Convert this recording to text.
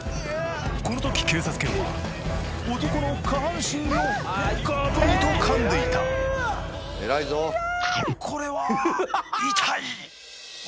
この時警察犬は男の下半身をガブリと噛んでいたこれは痛い！